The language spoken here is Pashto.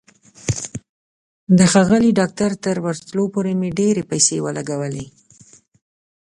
د ښاغلي ډاکټر تر ورتلو پورې مې ډېرې پیسې ولګولې.